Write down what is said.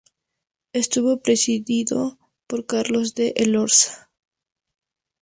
Estuvo presidido por Carlos de Elorza.